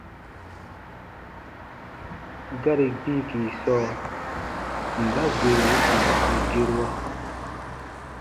Gari gbiiki sɔɔ: mba gbee wuko u gerua?